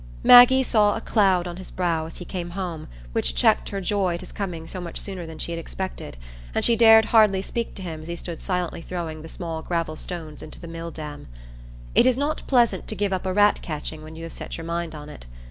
Maggie saw a cloud on his brow when he came home, which checked her joy at his coming so much sooner than she had expected, and she dared hardly speak to him as he stood silently throwing the small gravel stones into the mill dam. It is not pleasant to give up a rat catching when you have set your mind on it.